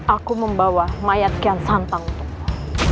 aku membawa mayat kian santang untukmu